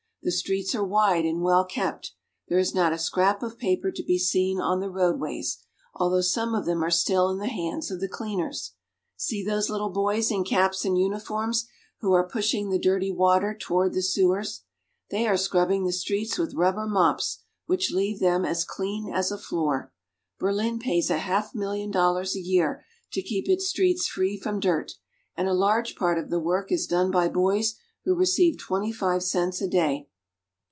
The streets are wide and well kept. There is not a scrap of paper to be seen on the roadways, although some of them are still in the hands of the cleaners. See those little froys in caps and uniforms who are pushing the dirty water toward the sewers. They are scrubbing the streets with rubber mops, which leave them as clean as a floor. Berlin pays a half million dollars a year to keep its streets free from dirt, and a large part of the work is done by boys who receive twenty five cents a day.